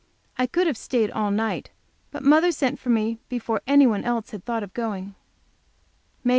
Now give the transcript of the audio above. I could have stayed all night, but mother sent for me before any one else had thought of going.